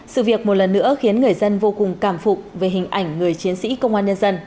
sự việc một lần nữa khiến người dân vô cùng cảm phục về hình ảnh người chiến sĩ công an nhân dân